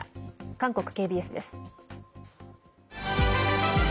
韓国ＫＢＳです。